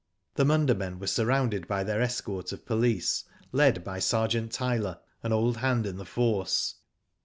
The Munda men were surrounded by their escort of police, led by Sergeant Tyler, an old hand in the force.